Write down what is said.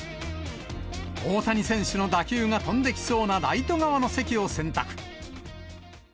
大谷選手の打球が飛んできそうなライト側の席を選択。